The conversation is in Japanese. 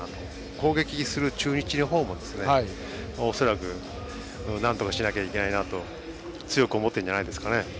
攻撃する中日の方も恐らく、なんとかしなくちゃいけないなと強く思っているんじゃないですかね。